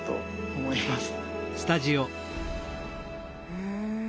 うん。